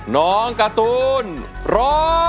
น้องการ์ตูนร้อง